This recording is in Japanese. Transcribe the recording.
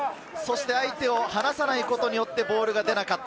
相手を離さないことによってボールが出なかった。